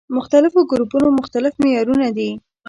مختلفو ګروپونو مختلف معيارونه دي.